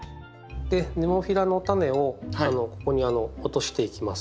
ネモフィラのタネをここに落としていきます。